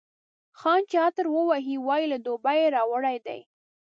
خان چي عطر ووهي، وايي له دوبۍ یې راوړی دی.